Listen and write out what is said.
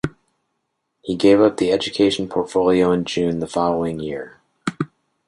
He gave up the education portfolio in June the following year.